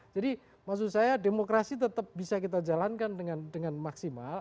jadi maksud saya demokrasi tetap bisa kita jalankan dengan maksimal